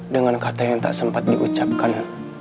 dengan kata yang tak sempat diucapkan